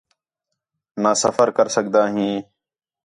نہ سفر کر سڳدا ہیں